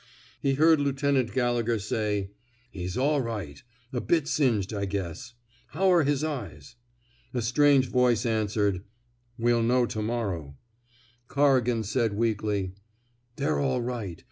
He heard Lieutenant Gallegher say: He's all right. A bit singed, I guess. How are his eyes? " A strange voice answered: We'll know to morrow." Corrigan said, weakly: They're all right.